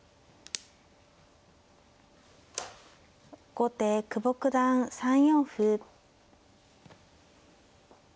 後手久保九段３四歩。